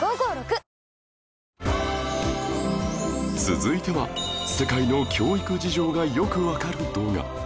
続いては世界の教育事情がよくわかる動画